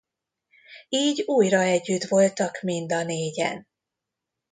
Így újra együtt voltak mind a négyen.